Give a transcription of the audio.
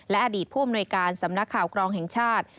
และอดีตผู้อำนวยการสำนักข่าวกรองแห่งชาติ